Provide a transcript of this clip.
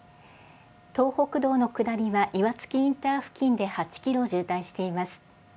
東北道の下りは、岩槻インター付近で８キロ渋滞しています。